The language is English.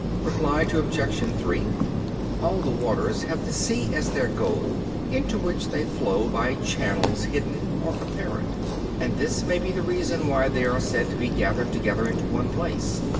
Reply Obj. 3: All the waters have the sea as their goal, into which they flow by channels hidden or apparent, and this may be the reason why they are said to be gathered together into one place.